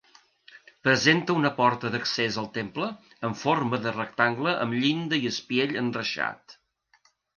Presenta una porta d'accés al temple amb forma de rectangle amb llinda i espiell enreixat.